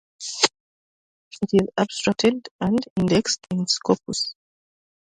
It is abstracted and indexed in Scopus.